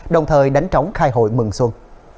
đồng thời đánh trống khai hội mừng xuân